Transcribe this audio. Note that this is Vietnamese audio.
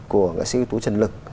của nghệ sĩ tú trần lực